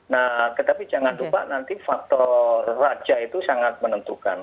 nah tetapi jangan lupa nanti faktor raja itu sangat menentukan